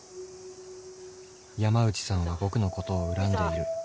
［山内さんは僕のことを恨んでいる］